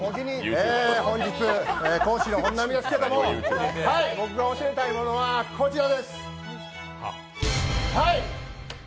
本日、講師の本並ですけど僕が教えたいものはこちら！